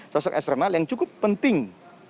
sosok eksternal yang cukup penting